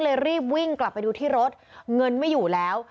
รีบวิ่งกลับไปดูที่รถเงินไม่อยู่แล้ว